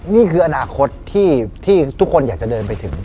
นี่คืออนาคตที่ทุกคนอยากจะเดินไปถึง